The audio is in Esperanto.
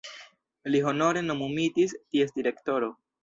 Li honore nomumitis ties direktoro.